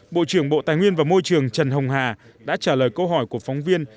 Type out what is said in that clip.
bộ trưởng bộ tài nguyên và môi trường trần hồng hà đã trả lời câu hỏi của phóng viên